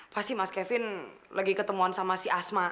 pasti mas kevin lagi ketemuan sama si asma